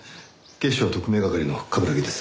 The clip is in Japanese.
警視庁特命係の冠城です。